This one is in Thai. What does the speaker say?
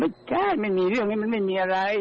ไม่มีเรื่องนี้มันไม่มีอะไร